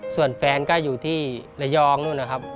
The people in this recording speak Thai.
ส่วนแฟนก็อยู่ที่ระยองนู่นนะครับ